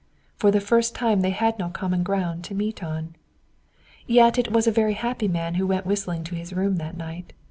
For the first time they had no common ground to meet on. Yet it was a very happy man who went whistling to his room that night.